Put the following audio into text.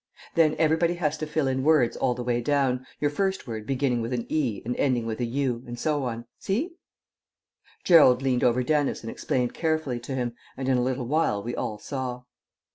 "Then everybody has to fill in words all the way down, your first word beginning with 'e' and ending with 'u,' and so on. See?" Gerald leant over Dennis and explained carefully to him, and in a little while we all saw.